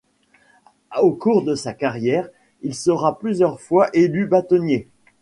Au cours de sa carrière, il sera plusieurs fois élu bâtonnier.